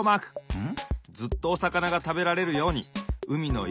うん。